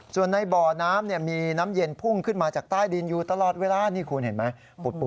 ส่วนในบ่อน้ำมีน้ำเย็นพุ่งขึ้นมาจากใต้ดินอยู่ตลอดเวลานี่คุณเห็นไหม